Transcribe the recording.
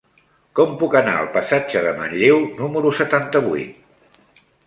Com puc anar al passatge de Manlleu número setanta-vuit?